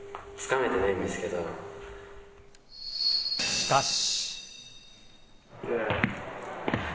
しかし。